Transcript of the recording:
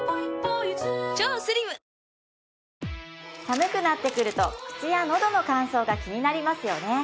寒くなってくると口やのどの乾燥が気になりますよね